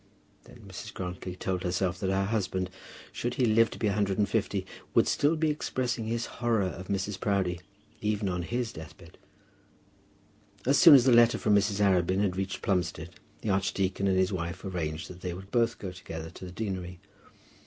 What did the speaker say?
Then Mrs. Grantly told herself that her husband, should he live to be a hundred and fifty, would still be expressing his horror of Mrs. Proudie, even on his deathbed. As soon as the letter from Mrs. Arabin had reached Plumstead, the archdeacon and his wife arranged that they would both go together to the deanery.